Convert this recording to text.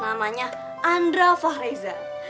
namanya andra fahreiza